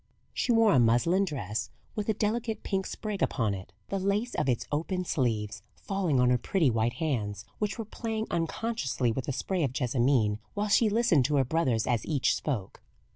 She wore a muslin dress with a delicate pink sprig upon it, the lace of its open sleeves falling on her pretty white hands, which were playing unconsciously with a spray of jessamine, while she listened to her brothers as each spoke.